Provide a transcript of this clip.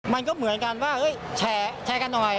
มันก็เหมือนกันว่าแชร์กันหน่อย